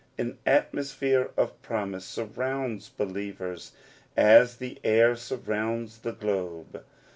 An atmosphere of promise surrounds believers as the air surrounds the globe.